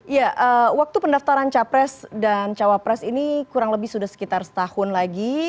ya waktu pendaftaran capres dan cawapres ini kurang lebih sudah sekitar setahun lagi